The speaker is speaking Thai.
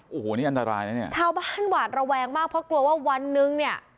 โอ้โหนี่อันตรายนะเนี่ยชาวบ้านหวาดระแวงมากเพราะกลัวว่าวันนึงเนี่ย